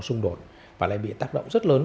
xung đột và lại bị tác động rất lớn